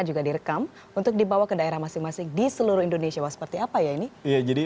juga direkam untuk dibawa ke daerah masing masing di seluruh indonesia seperti apa ya ini